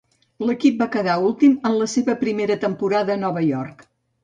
L'equip va acabar últim en la seva primera temporada a Nova York.